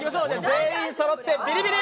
全員そろって、ビリビリ！！